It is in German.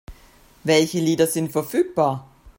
Welche Lieder sind verfügbar?